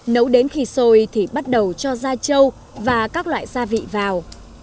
nấu đến khi sôi thì bắt đầu cho ra châu và các loại gia vị vào